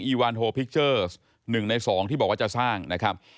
อวานโฮพิกเจอร์๑ใน๒ที่บอกว่าจะสร้างนะครับ